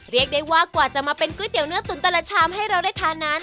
เรียกได้ว่ากว่าจะมาเป็นก๋วยเตี๋ยวเนื้อตุ๋นตลาดชามให้เราได้ทานาน